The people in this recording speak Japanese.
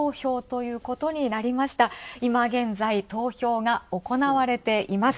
いま現在、投票が行われています。